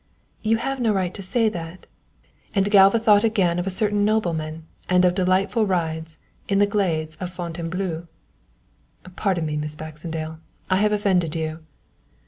"You have no right to say that," and Galva thought again of a certain nobleman and of delightful rides in the glades of Fontainebleu. "Pardon me, Miss Baxendale, I have offended you."